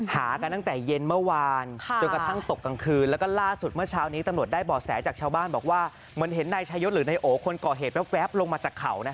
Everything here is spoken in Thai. หากันตั้งแต่เย็นเมื่อวานจนกระทั่งตกกลางคืนแล้วก็ล่าสุดเมื่อเช้านี้ตำรวจได้บ่อแสจากชาวบ้านบอกว่าเหมือนเห็นนายชายศหรือนายโอคนก่อเหตุแว๊บลงมาจากเขา